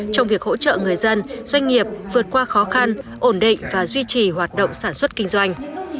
trong việc hỗ trợ người dân doanh nghiệp vượt qua khó khăn ổn định và duy trì hoạt động sản xuất kinh doanh